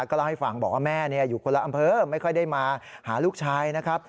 ก็เล่าให้ฟังบอกว่าแม่อยู่คนละอำเภอไม่ค่อยได้มาหาลูกชายนะครับ